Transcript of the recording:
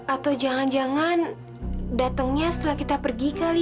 atau jangan jangan datangnya setelah kita pergi kali